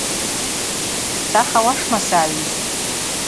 Сцах ауашма, Сагӏид?